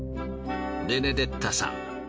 ベネデッタさん